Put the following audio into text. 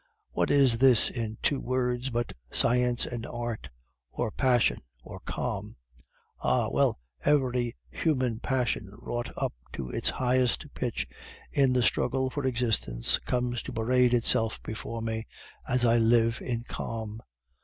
What is this in two words but Science and Art, or passion or calm? Ah! well, every human passion wrought up to its highest pitch in the struggle for existence comes to parade itself before me as I live in calm.